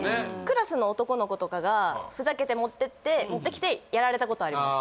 クラスの男の子とかがふざけて持ってって持ってきてやられたことあります